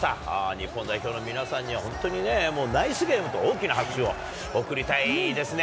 日本代表の皆さんには、本当にね、もうナイスゲームと、大きな拍手を送りたいですね。